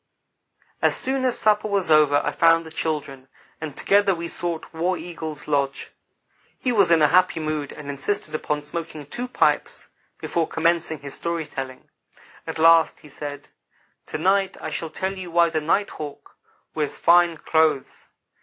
As soon as supper was over I found the children, and together we sought War Eagle's lodge. He was in a happy mood and insisted upon smoking two pipes before commencing his story telling. At last he said: "To night I shall tell you why the Night hawk wears fine clothes.